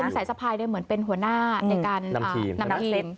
ก็เป็นสายสะพายด้วยเหมือนเป็นหัวหน้าในการนำทีม